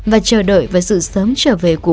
và chờ đợi vào sự sớm trở về của bố